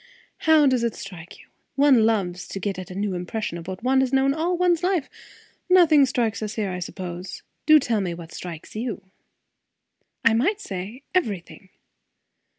"How does it strike you? One loves to get at new impressions of what one has known all one's life. Nothing strikes us here, I suppose. Do tell me what strikes you." "I might say, everything."